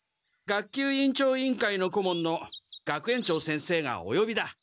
学級委員長委員会のこもんの学園長先生がおよびだ。